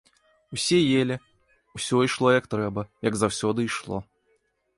Усе елі, усё ішло як трэба, як заўсёды ішло.